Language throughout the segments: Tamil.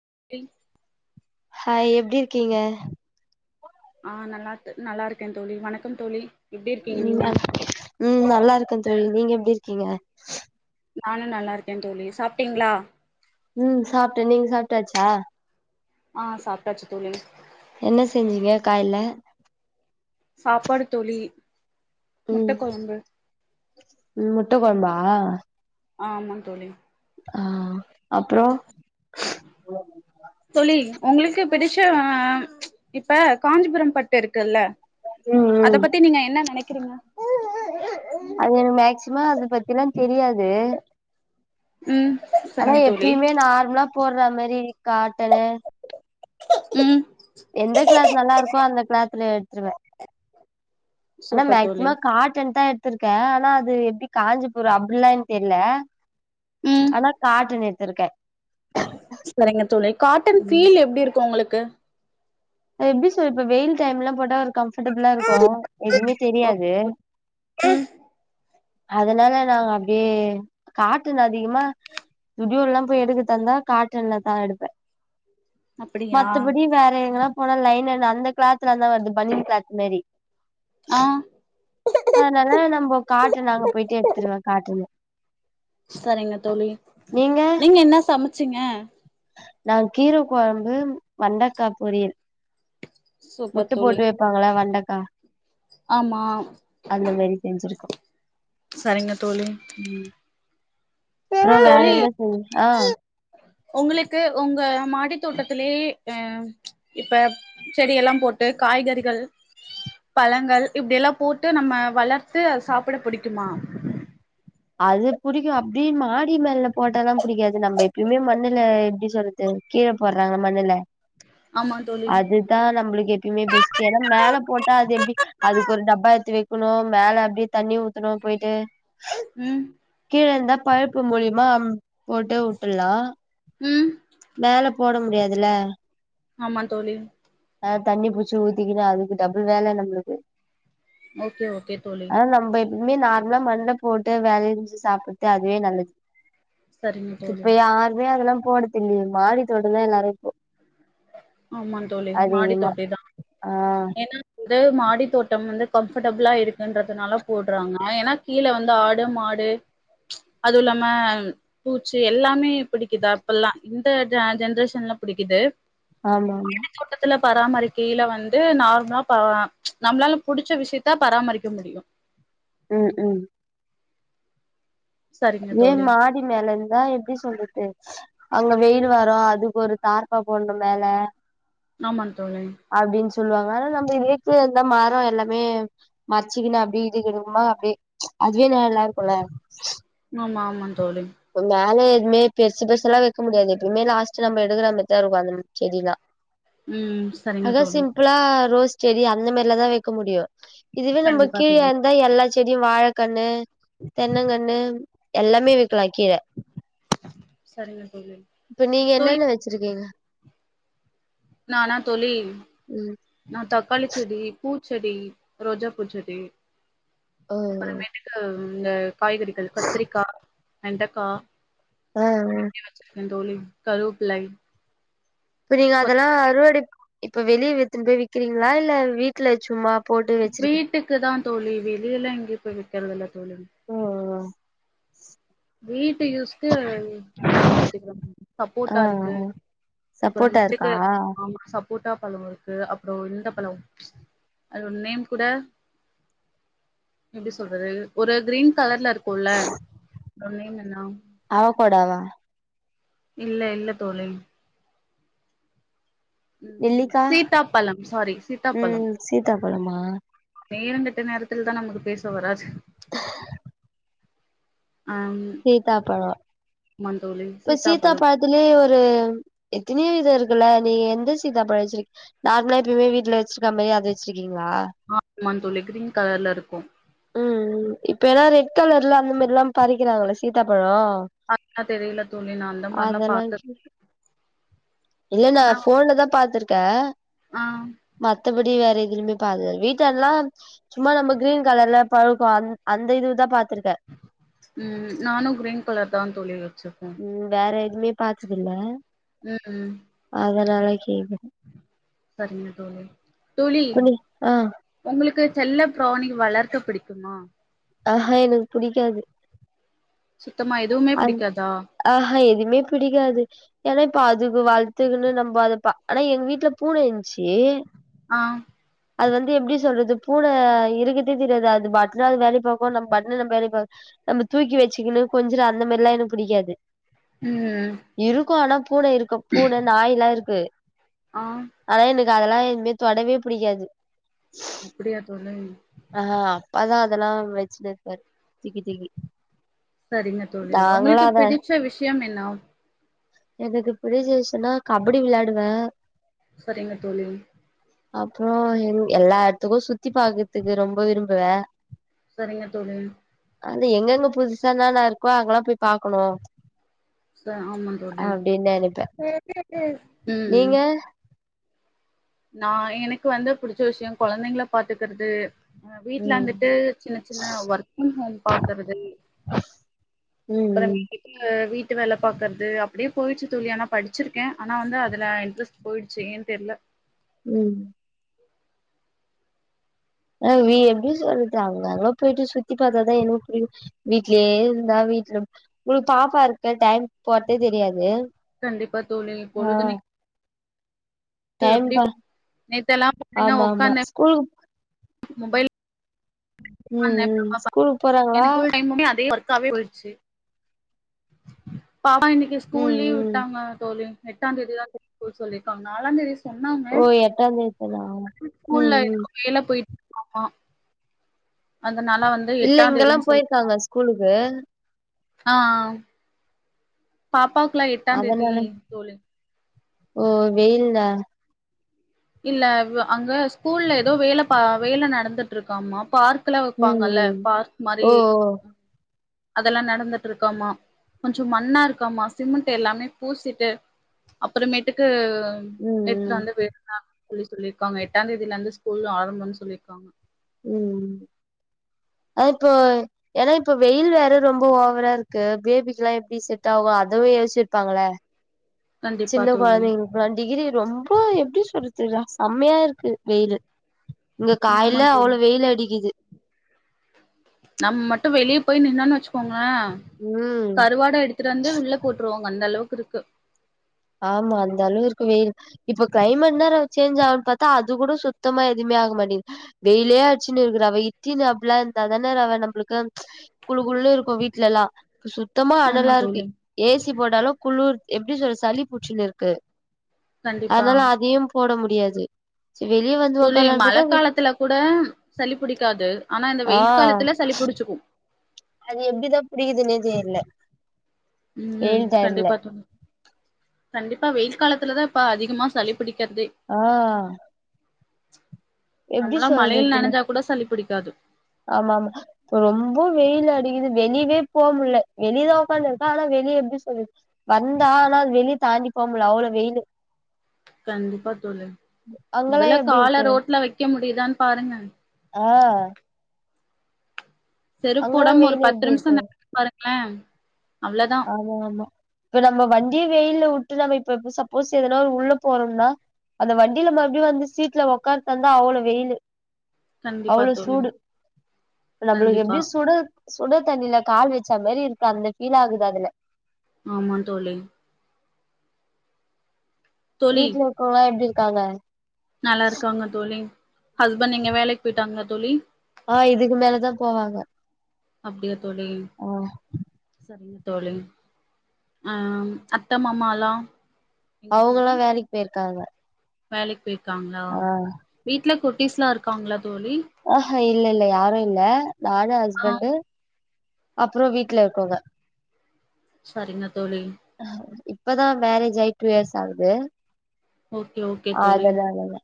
[unintelligible] ஹோய் எப்டி இருக்கீங்க ஆ நல்லா இருக் நல்லா இருக்கேன் தோழி வணக்கம் தோழி எப்டி இருக்கீங்க நீங்க உ உம் நல்லா இருக்கன் தோழி நீங்க எப்படி இருக்கீங்க நானும் நல்லா இருக்கேன் தோழிஸ் உம் சாப்பிட்டேன் நீங்க சாப்பிட்டாச்சா ஆஹ் சாப்பிட்டாச்சு தோழி என்ன செஞ்சீங்க காய்ல சாப்பாடு தோழி முட்ட உம் கொழம்பு உம் முட்டை குழம்பா ஆ ஆமா தோழி ஆ அப்புறம் தோழி உங்களுக்கு பிடிச்ச இப்ப காஞ்சிபுரம் பட்டு இருக் ல்ல ம் அத ம் பத்தி நீங்க என்ன நினைக்கிறீங்க அது எனக்கு மேக்சிமம் அதை பத்திலாம் தெரியாது ம் ஆனா சரிங்க தோழி எப்பயுமே நார்மலா போடுற மாதிரி காட்டனு ம் எந்த கிளாத் நல்லா இருக்கோ அந்த கிளாத்துல எடுத்துருவே அனா சூப்பர் தோழி மேக்சிமம் காட்டன் தா த்துருக்கேன் ஆனா அது எப்படி காஞ்சிபுரம் அப்படில்லா எனக் தெரியல ம் ஆனா காட்டன் திருக்கன் சரிங்க தோழி காட்டன் பீல் எப்படி இருக்கும் உங்களுக்கு எப்படி சொல்லப்ப வெயில் டைம் எல்லாம் போட்டா கம்பர்டபிளா இருக்கு எதுவுமே ஓகே தெரியாது தோழி அதனால நாங்க அப்படியே காட்டன் அதிகமா சுடியோல எல்லாம் போய் எடுக்க தந்தா காட்டன்ல தான் எடுப்பே அப்டியா மத்தபடி வேற எங்கல்லாம் போனா லைன் அந்த கிளாத்துலதா வரு அ பனின் கிலாத் மாரி ஆ அதனால நம்ம காட்டன் நாங்க போயிட்டு எடுத்துடுவே காட்டுன்னு சரிங்க தோழி நீங்க என்ன சமைச்சீங்க நா கீர கொழம்பு வெண்டக்கா பொரியல் முட்ட சூப்பர் தோழி போட்டு வைப்பாங்கள வெண்டக்கா ஆமா அந்த மாரி செஞ்சிருக்கோ சரிங்க தோழி அப்புறம் வேற தோழி என்ன செய் ஆ உங்களுக்கு உங்க மாடித்தோட்டத்திலே அஹ் ச் இப்ப செடியெல்லா போட்டு காய்கறிகள் பழங்கள் இப்டியெல்லா போட்டு நம்ம வளர்த்து அத சாப்ட பிடிக்குமா அது புடிக்கு அப்டி மாடி மேல போட்டாலா புடிக்காது நம்ம எப்யூமே மண்ணுல எப்டி சொல்றது கீழ போடுறாங்க மண்ணுல ஆமா தோழி அதுதா நம்ளுக்கு எப்யூமே பெஸ்ட்டு ஏனா மேல போட்டா அது எப்டி அதுக்கு ஒரு டப்பா எடுத்து வைக்கணு மேல அப்டியே தண்ணி ஊத்தனு போயிட்டு ம் கீழ இருந்தா [unintelligible] மூலியமா போட்டு வுட்டுல்லா ம் மேலப் போட முடியாதில்ல ஆமா தோழி ஆ தண்ணி புச்சு ஊத்திக்கினு அதுக்கு டபுள் வேல நம்ளுக்கு ஓகே ஓகே தோழி இதுமே நார்ம்லா மண்ணுல போட்டு வெளஞ்சு சாப்புட்டு அதுவே நல்லது சரிங்க இப்ப தோழி யாருமே அதெலாப் போடுதின்ல மாடித்தோட்டந்த எல்லாரு இப்போ ஆமா தோழி மாடி அதிகமா தோட்டி தா ஆ ஏனா கு வந்து மாடி தோட்டம் வந்து கம்ஃபடபிளா இருக்குன்றதுனால போடுறாங்க ஏனா கீழ வந்து ஆடு மாடு ச் அதுவு இல்லாம பூச்சு எல்லாமே புடிக்குது அப்பெல்லா இந்த ஜென்ரேஷன் [unintelligible] புடிக்குது ஆமா ஆமா பராமரிக்கையில வந் ட்டு நார்ம்லா பா நம்ளால புடிச்ச விஷயத்த பராமரிக்க முடியு ம் ம் சரிங்க ஏ தோழி மாடி மேல இருந்தா எப்டி சொல்றது அங்க வெயில் வரோ அதுக்கு ஒரு தார்பா போடுடனு மேல ஆமா தோழி அப்டின்னு சொல்லுவாங்க ஆனா நம்ம [unintelligible] இருந்த மரம் எல்லாமே மறச்சிக்குனா அப்டி [unintelligible] கெடுமா அப்டியே அதுவே ந நல்லா இருக்குல ஆமா ஆமா தோழி [unintelligible] மேலேத் எதுவுமே பெர்சு பெர்சாலா வெக்க முடியாது எப்பவுமே லாஸ்ட்ட நம்ம எடுக்குற மார்தா இருக்கு அந்த செடிலா ம் சரிங்க அதா தோழி சிம்ப்ளா ரோஸ் செடி அந்த மாரில தா வைக்க முடியு இதுவே நம்ம கண்டிப்பா கீழ தோழி இருந்தா எல்லா செடியு வாழக்கன்னு தென்னங்கண்ணு எல்லாமே வக்கீர சரிங்க தோழி இப்ப நீங்க தோழி என்னன்ன வச்சிருக்கீங்க [unintelligible] நானா தோழி ம் நா தக்காளி செடி பூ பூச்செடி ரோஜா பூச்செடி ஓ ஓ அப்றோமேட்டுக்கு ம் இந்த அ காய்கறிகள் கத்திரிக்கா வெண்டக்கா ஆஹ் ஹ் வச்சிருக்கே தோழி கருவப்பிலை இப்ப நீங்க அதெல்லா அறுவடை இப்ப வெளிய வெத்துன்டு போய் விக்றீங்களா இல்ல வீட்ல சும்மா போட்டு வச்சிருக்கீங் வீட்டுக்கு தா தோழி வெளியல்லா எங்கயு போய் விக்றதுல்ல தோழி வீட்டு யூஸ்க்கு பயன்படுத்திக்றோ ஆ சப்போட்டா இருக்கு அப்றோ சப்போட்டா இருக்கா மேட்டுக்கு ஆமா சப் கூட்டா பழருக்கு அப்ற இந்த பழ அதோட நேம் கூட எப்டி சொல்றது ஒரு கிரீன் கலர்ல இருக்குல்ல அதோட நேம் என்ன அவகோடாவா இல்ல இல்ல தோழி ம் நெல்லிக்கா சீத்தாப்பழம் சாரி சீத்தாப்பழம் ம் சீத்தாப்பழமா நேரங்கெட்ட நேரத்துல தா நமக்கு பேச வராது ஆம் சீத்தாபழொ ஆமா தோழி இப்ப சீத்தா சீத்தாப்பழம் பழத்துலே ஒரு எத்தனயோ இது இருக்குல்ல நீ எந்த சீத்தா பழ வச்சிருக் நார்மலா எப்பேயுமே வீட்ல வச்சிருக்கமே அத வச்சிருக்கி ஆமா தோழி கிரீன் கலர்ல இருக்கும் ம் ம் இப்ப எல்லா ரெட் கலர்ல அந்த மாரில்லா பறிக்கிறாங்கள சீத்தாப்பழொ ஆ னா தெரில அதெல்லா இல்ல நா போன்லதா பாத்ருக்கே அ மத்தபடி வேற எதுலுமே பாத்ததில் வீட்டல்லா சும்மா நம்ம கிரீன் கலர்ல பழுக்கு அந்த இது தா பாத் ம் நானு கிரீன் கலர் தா தோழி வச்ச ம் வேற எதுவுமே பாத்ததுல்ல ம் ஒரு நாளக்கி சரிங்க தோழி தோழி புடி ஆ உங்களுக்கு செல்ல ப்ராணி வளர்க்க புடிக்குமா ஆஹூ எனக்கு புடிக்காது சுத்தமா எதுவுமே அந் பிடிக்காதா ஆஹூ எதுமே பிடிக்காது ஏனா இப்ப அதுக்கு வளத்துக்குன்னு நம்ம அதைப்பா ஆனா எங்க வீட்ல பூன இந்துச்சி அ அது வந்து எப்டி சொல்றது பூன இருக்றதே தெரியாது அது பாட்னு அது வேலய பாக்கு நம்ம பாட்னு நம்ம வேலய பாக் நம்ம தூக்கி வச்சிக்குணு கொஞ்சுர அந்த மாரிலா எனக் புடிக்காது ம் இருக்கு ஆனா பூன இருக்கு பூன நாய்ல்லா இருக்கு ஆ ஆனா எனக்கு அதெல்லா எதுவுமே தொடவே புடிக்காது அப்டியா தோழி ஆ அப்பாதா அதெல்லா வச்சினு இருப்பாரு தூக்கி தூக்கி சரிங்க தோழி நாங்களா உங்களுக்கு அத பிடிச்ச விஷயம் என்ன எனக்கு பிடிச்ச விஷயன்னா கபடி விளயாடுவே சரிங்க தோழி அப்றோ எல்லா எட்த்துக்கு சுத்தி பாக்குற்துக்கு ரொம்ப விரும்புவே சரிங்க தோழி அது எங்கங்க புதுசானல்லா இருக்கோ அங்கெல்லா போய் பாக்கணு ச ஆமா தோழி அப்டின்னு நினைப்பே ம் ம் நீங்க நா எனக்கு வந்து புடிச்ச விஷ யோ கொழந்தைங்கள பாத்துக்றது வீட்ல ம் இருந்துட்டு சின்ன சின்ன ஒர்க் ஃப்ரம் ஹோம் பாக்றது ம் அப்றோ ம் [unintelligible] வீட் டு வேல பாக்றது அப்டியே போய்ச்சு தோழி ஆனா படிச்ருக்கே ஆனா வந்து அதுல இன்ட்ரஸ்ட் போயிடுச்சு ஏன்னு தெர்ல ம் ஆ எப்டி சொல்றது அங்கங்க போயிட்டு சுத்தி பாத்தா தா எதுவு புரியு வீட்லயே இருந்தா வீட்ல உங்களுக்கு பாப்பா இருக்கு டைம் போர்தே தெரியாது கண்டிப்பா தோழி ஆ பொழுது அனைக் கும் டைம் எப்டி பா நேத்தெல்லா பாத்தீங்கனா ஆமா ஆமா உக்காந்தே ஸ்கூலுக்கு மொபைல் ம் ஒக்காந்தே ம் பாப்பா ஸ்கூலுக்கு போறாங்களா எனக்கு ஃபுல் டைமுமே அதே ஒர்க்காவே போயிருச்சு பாப்பா இன்னைக்கு ஸ்கூல் ம் லீவ் ம் விட்டாங்களா தோழி எட்டாந்தேதிதா ஸ்கூல் சொல்லிருக்காங்க நாலாந்தேதி சொன்னாங்க ஓ எட்டாந் தேதி தானா ம் ஸ்கூல்ல ம் எதோ வேல போய்ட்டுருக்காமா அதனால வந்து இல்ல இங்கெல்லா எட்டாந்தேதினு சொல் போயிருக்காங்க ஸ்கூலுக்கு ஆனா பாப்பாவுக்கு எல்லா எட்டாந்தேதி அதனால தோழி ஓ வெயில்ல இல்ல வ அங்க ஸ்கூல்ல எதோ வேல ப வேல நடந்துட்ருக்காம பார்க் லா வெப்பாங்க ம் இல்ல ம் பார்க் மாரி ஓ ஓ அதெல்லா நடந்துட்ருக்காமா கொஞ்ச மண்ணா இருக்காமா சிமெண்ட் எல்லாமே பூசிட்டு அப்புறமேட்டுக்கு ம் எடுத்துட்டு ம் வந்து பேசுங்க சொல்லி சொல்லிருக்காங்க எட்டாந் தேதில இருந்து ஸ்கூல் ஆரம்பம் சொல்லிருக்காங்க ம் அ இப்போ ஏனா இப்ப வெயில் வேற ரொம்ப ஓவரா இருக்கு பேபிக்கெல்லா எப்டி செட் ஆகு அதவே ச்சிருப்பாங்கள கண்டிப்பா சின்ன தோழி கொழந்தைங்களுக்லா டிகிரி ரொம்ப எப்டி சொல்றது ரா செமையா இருக்கு வெயில் இங்க காய ஆமா தோழி அவ்ளோ வெயில் அடிக்கிது நம்ம மட்டு வெளிய போய் நின்னொன் வச்சுக்கோங்க ஆ ம் கருவாடா எடுத்துட்டு வந்து உள்ள போட்ருவாங் அந்த அளவுக்கு இருக்கு ஆமா அந்த அளவு இருக்கு வெயில் இப்ப கிளைமேட்னாற சேன்ச் ஆ பாத்தா அது கூட சுத்தமா எதுமே ஆக மாட்டேங்து வெயிலே அடிச்சினு இருக்குடா வெயி இட்டினப்லா இருந்தாதானடா நம்புளுக்கு குளு குளு இருக்கு வீட்லல்லா சுத்தமா ஆமா அனலா இருக்கு தோழி ஏ சி போட்டாலு குளுர் எப்டி சொல்ல சளி புடிச்சினு இருக்கு கண்டிப்பா அதனால அதையு போட முடியாது சரி வெளிய வந்து தோழி உக்காரலான்னு மழ பாத்தா வெ- காலத்துல கூட சளி புடிக்காது ஆனா இந்த ஆ வெயில் காலத்துல சளி புடிச்சிக்கு அது எப்டிதா புடிக்குதுனே தெர்ல ம் கண்டிப்பா தோழி கண்டிப்பா வெயில் காலத்துலதா இப்ப அதிகமா சளி பிடிக் ஆ எப்டி நம்மெல்லா மழைல நனைஞ்சா கூட சளி பிடிக்காது ஆமாமா ரொம்ப வெயில் அடிக்குது வெளியவே போக முடில வெளியதா உக்காந்துருக்கே ஆனா வெளிய எப்டி சொல்லு வந்தா ஆனா வெளிய தாண்டி போ முடில அவ்ளோ வெயிலு கண்டிப்பா தோழி அங்கெல்லா முதல எப்டி கால இருக்கு ரோட்ல வெக்க முடியுதான் பாருங்க ஆ செருப் அங்கெல்லா போடாம ஒரு வெயில் பத்து எப்டி நிமிஷ இருக்கு நடந்து பாருங்ளே ஆமா ஆமா இப்ப நம்ம வண்டிய வெயில உட்டு நம்ம இப்ப இப்ப சப்போஸ் எதனா ஒரு உள்ள போறம்னா அந்த வண்டில மறுபடியு வந்து சீட்ல ஒக்கான்ட்டு வந்தா அவ்ளோ வெயிலு கண்டிப்பா அவ்ளோ தோழி சூடு நம்ளுக்கு கண்டிப்பா எப்டி சுடு சுடு தண்ணில கால் வச்சா மேரி இருக்கு அந்த ஃபீல் ஆகுது அதுல ஆமா தோழி வீட்ல இருக்கவுங்ளா எப்டி இருக்காங்க நல்லாருக்காங்க தோழி ஹஸ்பண்ட் எங்க வேலைக்கு போய்ட்டாங்ளா தோழி ஆ இதுக்கு மேலதா போவாங்க அப்டியா தோழி ஆ சரிங்க தோழி ஆ அத்த மாமாலா எங்க அவங்கல்லா தோழி வேலைக்கு போயிருக்காங்க வேலைக்கு போய்ருக்காங்ளா ஆ வீட்ல குட்டீஸ்லா இருக்காங்ளா தோழி ஆஹ இல்ல இல்ல யாரு இல்ல நானு ஆ ஹஸ்பண்ட் அப்புற வீட்ல இருக்கவுங்க சரிங்க தோழி இப்பதா மேரேஜ் ஆயி டூ இயர்ஸ் ஆகுது ஓகே ஓகே தோழி அதனாலங்க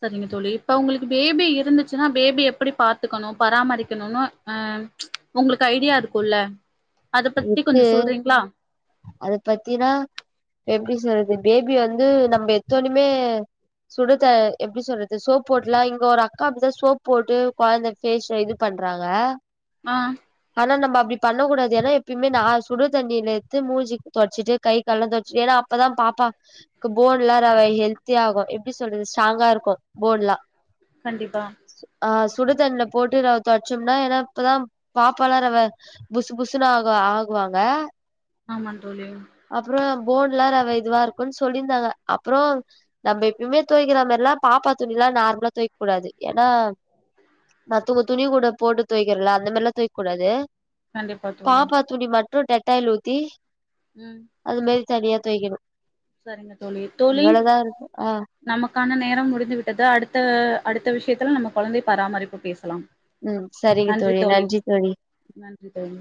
சரிங்க தோழி இப்ப உங்களுக்கு பேபி இருந்துச்சுனா பேபி எப்படி பாத்துக்கணு பராமரிக்கணுனு அ அம் உங்ளுக்கு ஐடியாருக்குல்ல இக்கு அது பத்தினா எப் எப்டி சொல்றது பேபி வந்து நம்ம எத்தோணிமே சுடத எப்டி சொல்றது சோப் போட்டுலா இங்க ஒரு அக்கா அப்டிதா சோப் போட்டு ககொழந்த ஃபேஸ்ச இது பண் ண்றாங்க ஆ னா நம்ம அப்டி பண்ணக்கூாது எனா இப் எப்பிமே நா சுடு தண்ணில எத்து மூஞ்சி தொட்சிட்டு கை கால்லா தொட்ச் ஏனா அப்பதா பாப்பாகு போ ஃபோன்லா ரவ ஹெல்த்தியாகு எப்டி சொல்றது ஸ்ட்ராங்கா இருக்கு போன்லா கண்டிப்பா ஆ சுடுதண்ல போட்டு ரவ தொட்ச்சோம்னா ஏனா இப்பதா பாப்பாலா ரவ புஸ்சு புஸ்சுனாகு ஆகுவாங்க ஆமாந் தோழி போன்ல ரவ இதுவாருக்குன் சொல்லிந்தாங்க அப்புற நம்ம எப்பியுமே தொவைக்கிற மெர்லா பாப்பா துணிலா நார்மலா தொய்க் கூடாது ஏனா நா தூங்க துணி கூட போட்டு தொய்க்கறல அந்த மேர்லா தொய்க் கூடாது கண்டிப் பாப்பா துணி மட்டு டெட்டாய்ல் ஊத்தி உம் அது மாரி தனியா தொய்க்கனு சரிங்கத் தோழி தோழி இருக்கு ஆ நமக்கான நேரம் முடிந்து விட்டது அடுத்த அடுத்த விஷ்யத்துல நம்ம கொழந்தை பராமரிப்பு பேசலாம் உம் சரிங்க தோழி நன்றி தோழி நன்றி தோழி